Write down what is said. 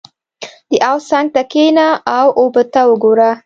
• د حوض څنګ ته کښېنه او اوبه ته وګوره.